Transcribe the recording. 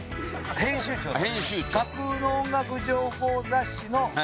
編集長です。